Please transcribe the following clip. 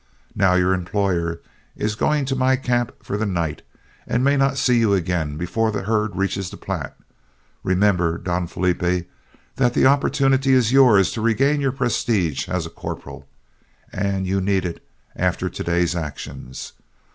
Now your employer is going to my camp for the night, and may not see you again before this herd reaches the Platte. Remember, Don Felipe, that the opportunity is yours to regain your prestige as a corporal and you need it after to day's actions.